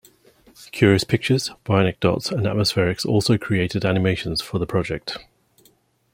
Curious Pictures, Bionic Dots, and Atmospherex also created animations for the project.